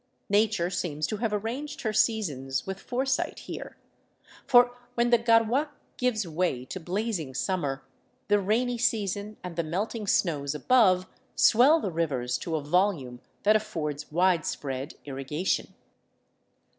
Na ture seems to have arranged her seasons with foresight here; for when the garua gives way to blazing summer, the rainy season and the melting snows above swell the rivers to a volume that affords wide spread irrigation.